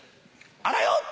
あらよ！